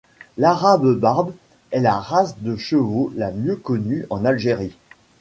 L'Arabe-barbe est la race de chevaux la mieux connue en Algérie.